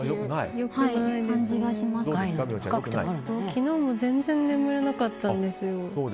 昨日も全然眠れなかったんですよ。